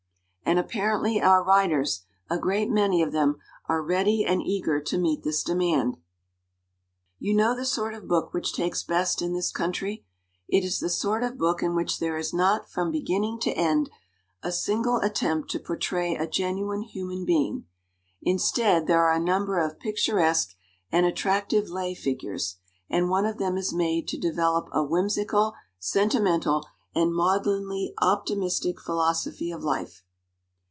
And apparently our writers a great many of them are ready and eager to meet this demand. "You know the sort of book which takes best in this country. It is the sort of book in which 230 "EVASIVE IDEALISM' there is not from beginning to end a single at tempt to portray a genuine human being. Instead there are a number of picturesque and attractive lay figures, and one of them is made to develop a whimsical, sentimental, and maudlinly optimis tic philosophy of life.